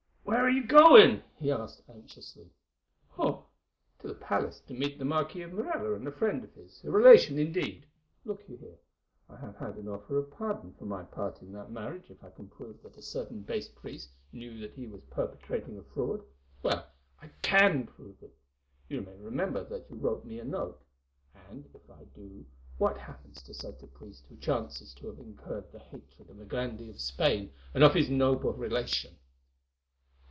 "Where are you going?" he asked anxiously. "Oh! to the palace to meet the Marquis of Morella and a friend of his, a relation indeed. Look you here. I have had an offer of pardon for my part in that marriage if I can prove that a certain base priest knew that he was perpetrating a fraud. Well, I can prove it—you may remember that you wrote me a note—and, if I do, what happens to such a priest who chances to have incurred the hatred of a grandee of Spain and of his noble relation?"